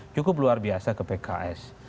cukup luar biasa ke pks